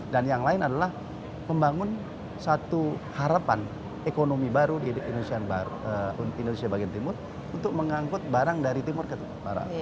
dan yang lain adalah membangun satu harapan ekonomi baru di indonesia bagian timur untuk mengangkut barang dari timur ke timur barat